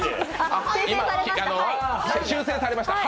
あ、修正されました。